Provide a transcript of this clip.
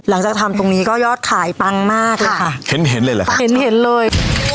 หลังจากทำตรงนี้ก็ยอดขายปังมากเลยค่ะเห็นเห็นเลยเหรอคะเห็นเห็นเลย